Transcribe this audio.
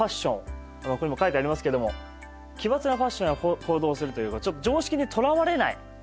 ここにも書いてありますけども奇抜なファッションや行動をするというかちょっと常識にとらわれない。